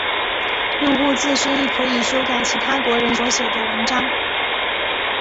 用户自身亦可以修改其他国人所写的文章。